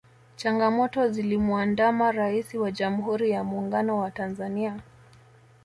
changamoto zilimuandama raisi wa jamuhuri ya muungano wa tanzania